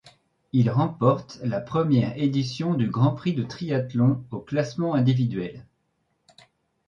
Il remporte la première édition du Grand Prix de triathlon, au classement individuel.